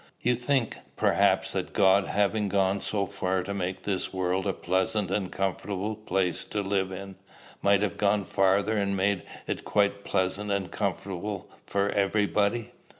"You think, perhaps, that God, having gone so far to make this world a pleasant and comfortable place to live in, might have gone farther and made it quite pleasant and comfortable for everybody?"